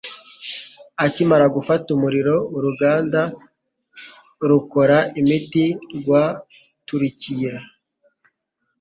Akimara gufata umuriro, uruganda rukora imiti rwaturikiye.